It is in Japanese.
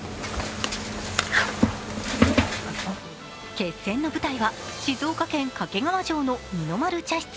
決戦の舞台は静岡県・掛川城の二の丸茶室。